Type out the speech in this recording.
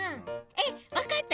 えっわかった。